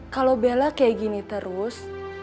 kalau bella kayak gini terus